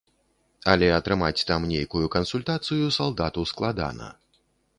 Але атрымаць там нейкую кансультацыю салдату складана.